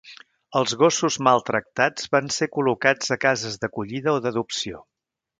Els gossos maltractats van ser col·locats a cases d'acollida o d'adopció.